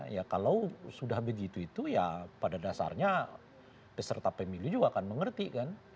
ya kalau sudah begitu itu ya pada dasarnya peserta pemilu juga akan mengerti kan